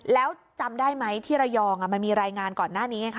แล้วจำได้ไหมที่ระยองมันมีรายงานก่อนหน้านี้ไงคะ